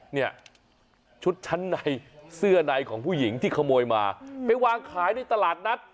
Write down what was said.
เนี่ยชุดชั้นในเสื้อในของผู้หญิงที่ขโมยมาไปวางขายในตลาดนัด